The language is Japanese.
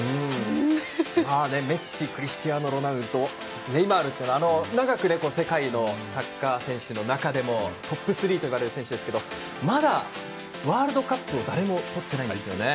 メッシクリスチアーノ・ロナウドネイマールと長く世界のサッカー選手の中でもトップ３といわれる選手ですがまだワールドカップを誰もとってないんですよね。